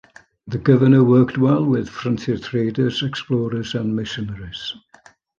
The governor worked well with frontier traders, explorers, and missionaries.